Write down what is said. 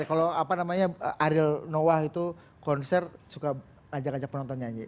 kalau apa namanya ariel noah itu konser suka ajak ajak penonton nyanyi